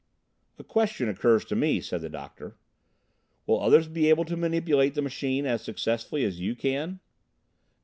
"A question occurs to me," said the Doctor: "will others be able to manipulate the machine as successfully as you can?"